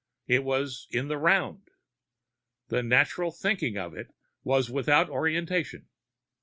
It was in the round. The natural thinking of it was without orientation.